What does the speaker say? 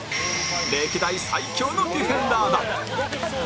歴代最強のディフェンダーだ